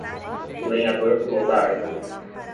O lenhador pulou da árvore.